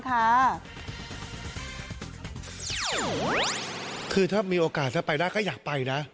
คือถ้ามีโอกาสถ้าไปได้ก็อยากไปนะ